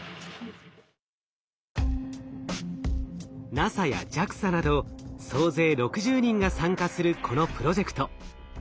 ＮＡＳＡやＪＡＸＡなど総勢６０人が参加するこのプロジェクト。